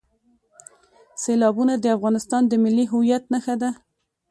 سیلابونه د افغانستان د ملي هویت نښه ده.